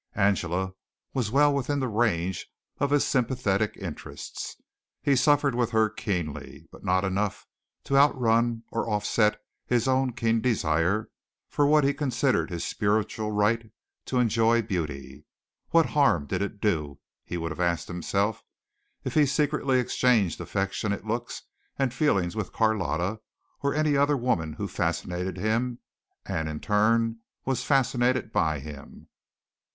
Angela was well within the range of his sympathetic interests. He suffered with her keenly, but not enough to outrun or offset his own keen desire for what he considered his spiritual right to enjoy beauty. What harm did it do, he would have asked himself, if he secretly exchanged affectionate looks and feelings with Carlotta or any other woman who fascinated him and in turn was fascinated by him?